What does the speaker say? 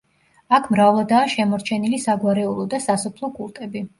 აქ მრავლადაა შემორჩენილი საგვარეულო და სასოფლო კულტები.